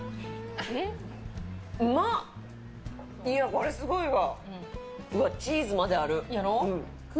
これすごいわ。